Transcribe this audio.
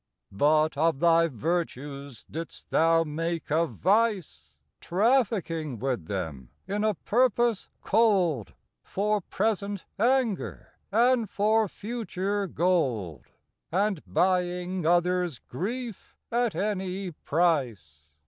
But of thy virtues didst thou make a vice, Trafficking with them in a purpose cold, For present anger, and for future gold And buying others' grief at any price.